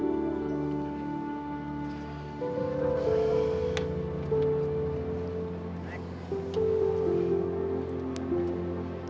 terima kasih eang